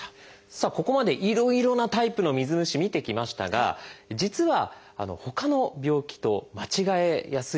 さあここまでいろいろなタイプの水虫見てきましたが実はほかの病気と間違えやすいものもあるんですよ。